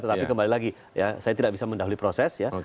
tetapi kembali lagi ya saya tidak bisa mendahului proses ya